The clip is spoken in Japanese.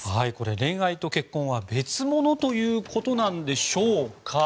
恋愛と結婚は別物ということなんでしょうか。